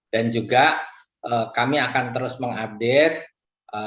dan juga kami akan terus mengupdate